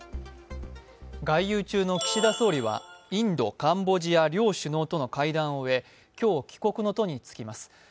外遊中の岸田総理はインド、カンボジア両首脳との会談を終え今日、帰国の途につきます。